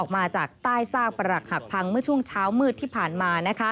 มาจากใต้ซากประหลักหักพังเมื่อช่วงเช้ามืดที่ผ่านมา